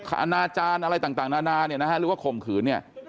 อาณาจารย์อะไรต่างนานาหรือว่าขมขือ